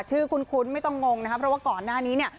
คุ้นไม่ต้องงงนะครับเพราะว่าก่อนหน้านี้เนี่ย